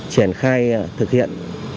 triển khai thực hiện